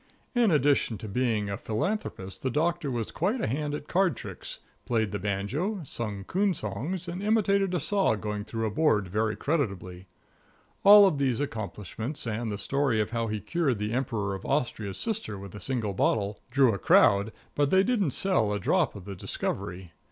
In addition to being a philanthropist the Doctor was quite a hand at card tricks, played the banjo, sung coon songs and imitated a saw going through a board very creditably. All these accomplishments, and the story of how he cured the Emperor of Austria's sister with a single bottle, drew a crowd, but they didn't sell a drop of the Discovery.